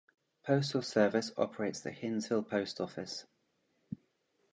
Postal Service operates the Hinesville Post Office.